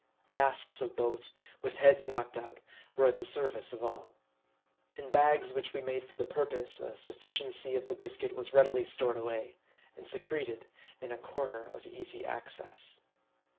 Casks of both, with heads knocked out, were at the service of all. In bags which we made for the purpose, a sufficiency of the biscuit was readily stored away, and secreted in a corner of easy access.